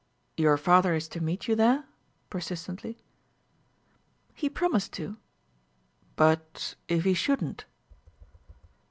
"Your father is to meet you there?" persistently. "He promised to." "But if he shouldn't?"